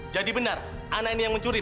jadi benar anak ini yang mencuri pak